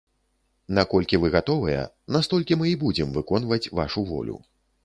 Наколькі вы гатовыя, настолькі мы і будзем выконваць вашу волю.